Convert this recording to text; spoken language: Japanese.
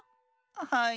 はい。